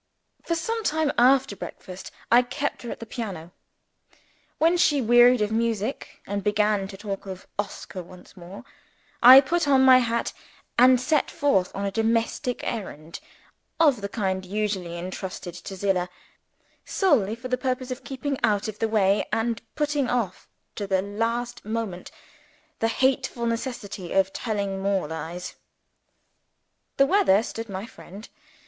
For some time after breakfast, I kept her at the piano. When she wearied of music, and began to talk of Oscar once more, I put on my hat, and set forth on a domestic errand (of the kind usually entrusted to Zillah), solely for the purpose of keeping out of the way, and putting off to the last moment the hateful necessity of telling more lies. The weather stood my friend.